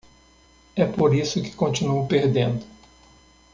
É por isso que continuo perdendo.